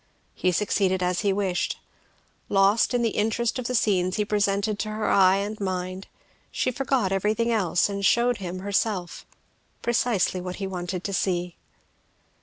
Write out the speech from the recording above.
He succeeded as he wished. Lost in the interest of the scenes he presented to her eye and mind, she forgot everything else and shewed him herself; precisely what he wanted to see.